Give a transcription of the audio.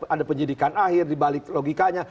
ada penyidikan akhir dibalik logikanya